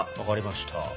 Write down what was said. わかりました。